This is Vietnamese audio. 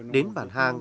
đến bản hàng